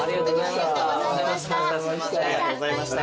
ありがとうございます。